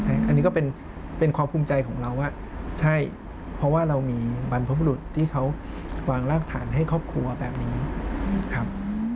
อันนี้ก็เป็นความภูมิใจของเราว่าใช่เพราะว่าเรามีบรรพบุรุษที่เขาวางรากฐานให้ครอบครัวแบบนี้ครับ